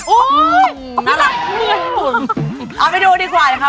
อุ๊ยน่ารักเลยเอาไปดูดีกว่าค่ะ